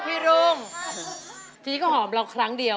ทีนี้ก็หอมเราครั้งเดียว